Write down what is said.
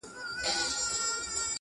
ته رانغلې پر دې لاره ستا قولونه ښخومه!